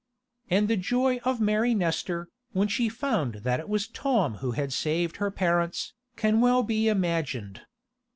And the joy of Mary Nestor, when she found that it was Tom who had saved her parents, can well be imagined.